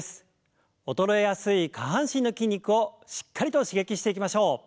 衰えやすい下半身の筋肉をしっかりと刺激していきましょう。